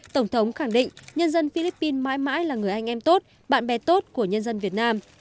tổng thống khẳng định nhân dân philippines mãi mãi là người anh em tốt bạn bè tốt của nhân dân việt nam